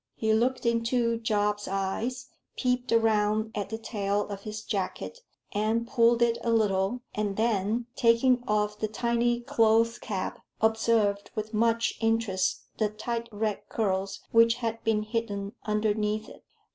He looked into Job's eyes, peeped round at the tail of his jacket and pulled it a little, and then, taking off the tiny cloth cap, observed with much interest the tight red curls which had been hidden underneath it.